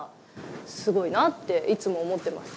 すごいなって、いつも思ってます。